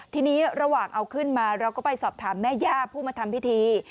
ทีนี้ระหว่างเอาขึ้นมาเราก็ไปสอบถามแม่ย่าผู้มาทำพิธี